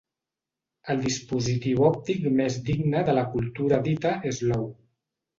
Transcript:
El dispositiu òptic més digne de la cultura dita Slow.